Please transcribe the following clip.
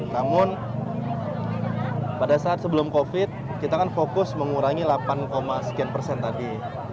namun pada saat sebelum covid kita kan fokus mengurangi delapan sekian persen tadi